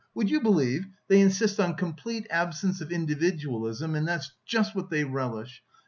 Would you believe, they insist on complete absence of individualism and that's just what they relish!